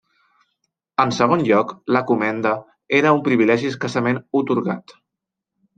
En segon lloc, la comenda era un privilegi escassament atorgat.